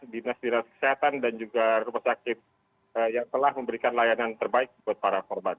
dinas dinas kesehatan dan juga rumah sakit yang telah memberikan layanan terbaik buat para korban